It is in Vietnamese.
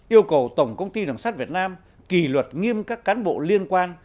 yêu cầu tổng công ty đường sắt việt nam kỳ luật nghiêm các cán bộ liên quan